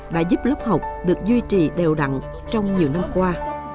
đã giúp lớp học được duy trì đều đặn trong nhiều năm qua